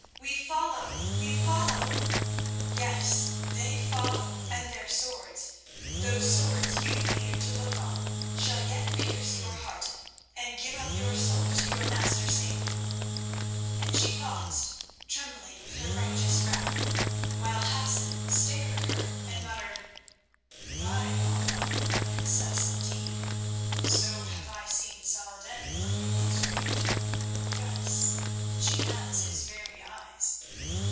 'We follow. We follow!' Yes, they follow, and their swords—those swords you feared to look on—shall yet pierce your heart and give up your soul to your master Satan," and she paused, trembling with her righteous wrath, while Hassan stared at her and muttered: "By Allah, a princess indeed! So have I seen Salah ed din look in his rage. Yes, and she has his very eyes."